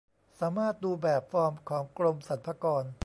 สามารถดูแบบฟอร์มของกรมสรรพากร